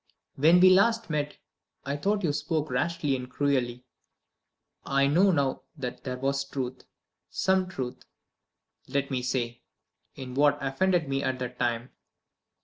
"When we last met, I thought you spoke rashly and cruelly. I know now that there was truth some truth, let me say in what offended me at the time.